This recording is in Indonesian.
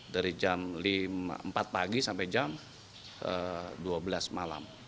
dari jam empat pagi sampai jam dua belas malam